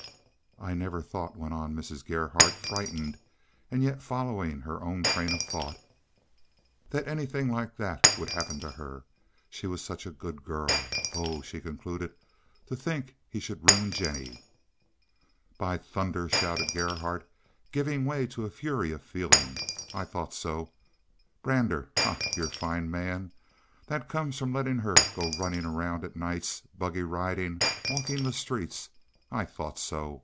"I never thought," went on Mrs. Gerhardt, frightened, and yet following her own train of thought, "that anything like that would happen to her. She was such a good girl. Oh!" she concluded, "to think he should ruin Jennie." "By thunder!" shouted Gerhardt, giving way to a fury of feeling, "I thought so! Brander! Ha! Your fine man! That comes of letting her go running around at nights, buggy riding, walking the streets. I thought so.